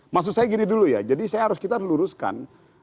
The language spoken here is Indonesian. maksud saya gini dulu ya jadi saya harus kita luruskan